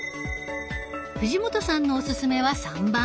藤本さんのおすすめは３番。